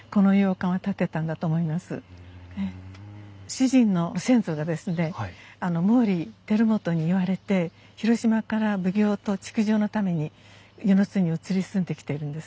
主人の先祖がですね毛利輝元に言われて広島から奉行と築城のために温泉津に移り住んできてるんです。